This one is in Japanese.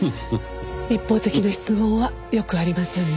一方的な質問はよくありませんね。